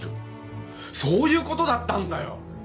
そういう事だったんだよ。